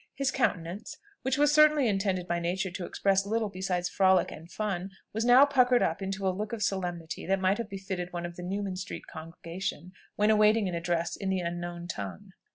His countenance, which was certainly intended by nature to express little besides frolic and fun, was now puckered up into a look of solemnity that might have befitted one of the Newman street congregation when awaiting an address in the unknown tongue.